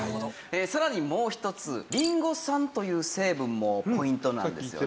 さらにもう一つリンゴ酸という成分もポイントなんですよね。